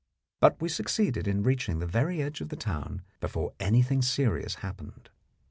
But we succeeded in reaching the very edge of the town before anything serious happened.